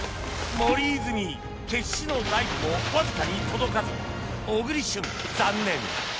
森泉決死のダイブもわずかに届かず小栗旬残念